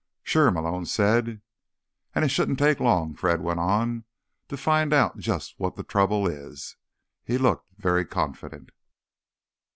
"Sure," Malone said. "And it shouldn't take long," Fred went on, "to find out just what the trouble is." He looked very confident.